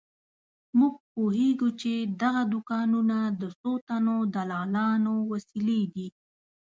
موږ پوهېږو چې دغه دوکانونه د څو تنو دلالانو وسیلې دي.